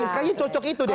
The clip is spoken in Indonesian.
kayaknya cocok itu deh